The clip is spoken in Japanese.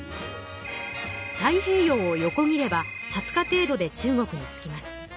太平洋を横切れば２０日程度で中国に着きます。